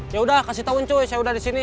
yaudah kasih tau ncuy saya udah disini